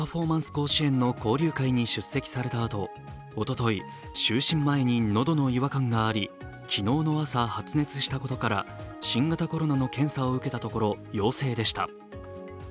甲子園の交流会に出席されたあと、おととい就寝前に喉の違和感があり昨日の朝、発熱したことから新型コロナの検査を受けたところ陽性でした。